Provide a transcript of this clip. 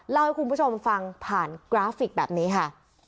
เล่าให้คุณผู้ชมฟังผ่านกราฟิกแบบนี้ค่ะ